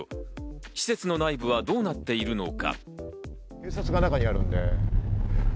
施設の内部はどうなっているのか？